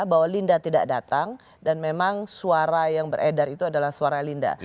bahwa linda tidak datang dan memang suara yang beredar itu adalah suara linda